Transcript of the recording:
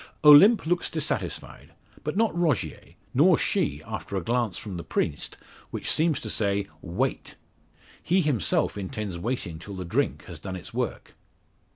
Olympe looks dissatisfied, but not Rogier nor she, after a glance from the priest, which seems to say "Wait." He himself intends waiting till the drink has done its work.